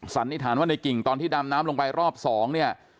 สันนิษฐานว่าในกิ่งตอนที่ดำน้ำลงไปรอบสองเนี่ย